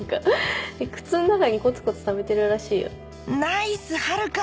靴の中にコツコツ貯めてるらしいよナイス遥！